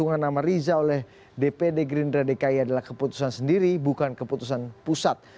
pengusungan nama riza oleh dpd gerindra dki adalah keputusan sendiri bukan keputusan pusat